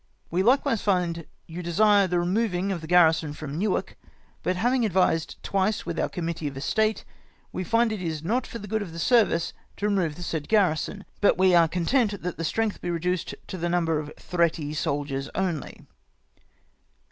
"We likewise find you desire the removing of the garrison from Newark, but having advised twice with our Committee of Estate, we find it is not for the good of the service to remove the said garrison ; but we are content that the strength be reduced to the number of threttie soldiers only.